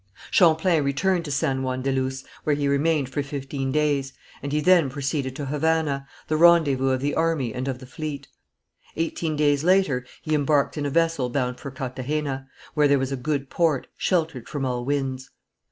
Champlain returned to San Juan de Luz, where he remained for fifteen days, and he then proceeded to Havana, the rendezvous of the army and of the fleet. Eighteen days later he embarked in a vessel bound for Cartagena, where there was a good port, sheltered from all winds.